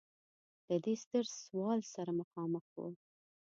له دې ستر سوال سره مخامخ و.